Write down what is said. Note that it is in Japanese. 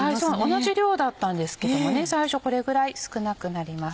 同じ量だったんですけども最初これぐらい少なくなります。